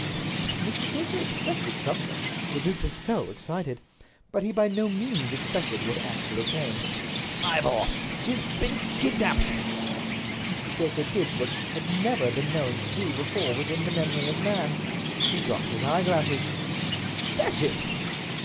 Mr. Dacre expected something. The duke was so excited. But he by no means expected what actually came. "Ivor, she's been kidnaped!" Mr. Dacre did what he had never been known to do before within the memory of man—he dropped his eyeglass. "Datchet!"